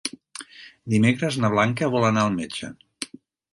Dimecres na Blanca vol anar al metge.